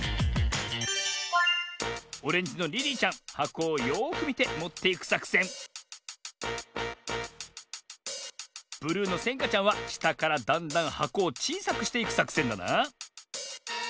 オレンジのリリーちゃんはこをよくみてもっていくさくせんブルーのせんかちゃんはしたからだんだんはこをちいさくしていくさくせんだな。